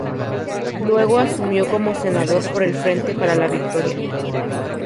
Luego asumió como senador por el Frente para la Victoria.